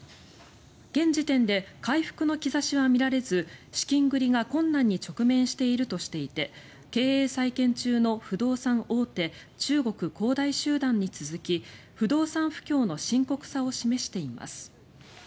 現時点で回復の兆しは見られず資金繰りが困難に直面しているとしていて経営再建中の不動産大手中国恒大集団に続き不動産不況の深刻さを示しています。